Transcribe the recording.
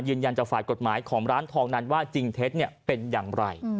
ยืนยันจากฝ่ายกฎหมายของร้านทองนั้นว่าจริงเท็จเป็นอย่างไร